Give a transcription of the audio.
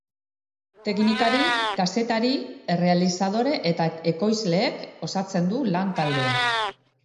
Teknikari, kazetari, errealizadore eta ekoizleek osatzen du lan-taldea.